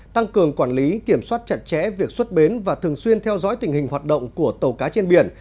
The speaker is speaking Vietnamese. tăng cường quản lý kiểm soát chặt chẽ việc xuất bến và thường xuyên theo dõi tình hình hoạt động của tàu cá trên biển